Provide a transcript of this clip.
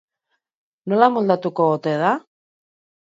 Nola moldatuko ote da?